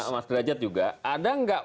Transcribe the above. mas grajat juga ada gak